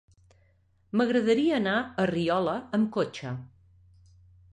M'agradaria anar a Riola amb cotxe.